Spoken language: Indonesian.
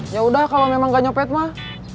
yaudah kalau memang nggak nyopet mah